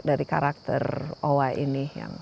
dari karakter oha ini